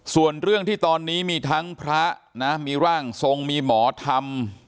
ส่วนเรื่องที่ตอนนี้มีทั้งพระนะมีร่างทรงมีหมอธรรม